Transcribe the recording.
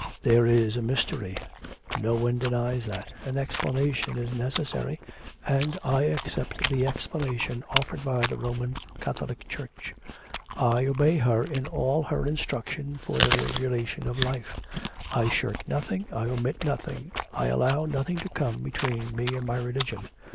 There is a mystery. No one denies that. An explanation is necessary, and I accept the explanation offered by the Roman Catholic Church. I obey Her in all her instruction for the regulation of life; I shirk nothing, I omit nothing, I allow nothing to come between me and my religion.